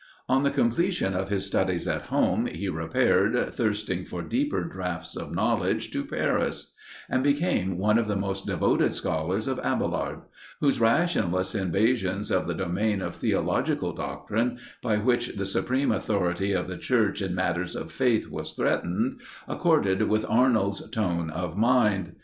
On the completion of his studies at home, he repaired, thirsting for deeper draughts of knowledge, to Paris; and became one of the most devoted scholars of Abailard; whose rationalist invasions of the domain of theological doctrine, by which the supreme authority of the Church in matters of faith was threatened, accorded with Arnold's tone of mind.